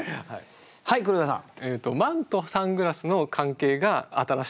はい黒岩さん。